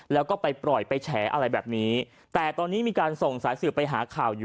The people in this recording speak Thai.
แล้วก็ไปปล่อยไปแฉอะไรแบบนี้แต่ตอนนี้มีการส่งสายสืบไปหาข่าวอยู่